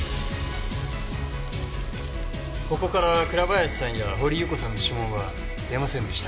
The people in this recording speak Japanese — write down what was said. ここから倉林さんや掘祐子さんの指紋は出ませんでした。